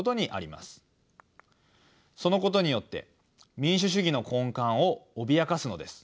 そのことによって民主主義の根幹を脅かすのです。